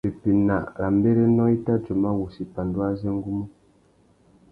Pepena râ mbérénô i tà djôma wussi pandú azê ngu mú.